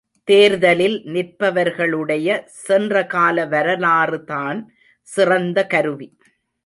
தேர்தலில் நிற்பவர்களுடைய சென்ற கால வரலாறுதான் சிறந்த கருவி.